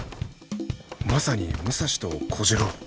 まさに武蔵と小次郎。